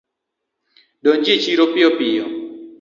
Donji e chiro piyo piyo